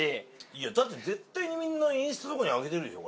いやだって絶対にみんなインスタとかに上げてるでしょ